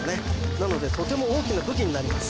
なのでとても大きな武器になります